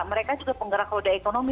mereka juga penggerak roda ekonomi